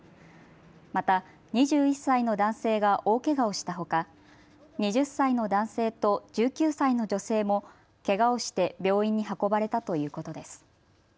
また、２１歳の男性が大けがをしたほか２０歳の男性と１９歳の女性もけがをして病院に運ばれたということです。